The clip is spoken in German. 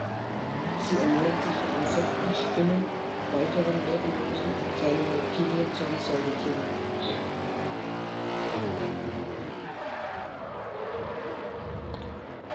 Sie ernähren sich von Insekten, Spinnen, weiteren Wirbellosen und kleinen Reptilien sowie Säugetieren.